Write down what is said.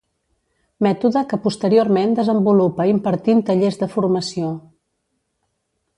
Mètode que posteriorment desenvolupa impartint tallers de formació.